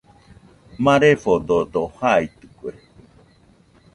Marefododo jaitɨkue